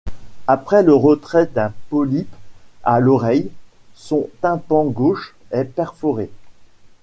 Après le retrait d'un polype à l'oreille, son tympan gauche est perforé.